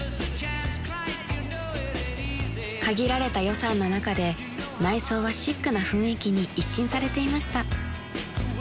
［限られた予算の中で内装はシックな雰囲気に一新されていました］